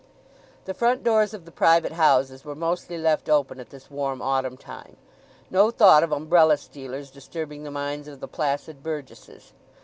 The front doors of the private houses were mostly left open at this warm autumn time, no thought of umbrella stealers disturbing the minds of the placid burgesses.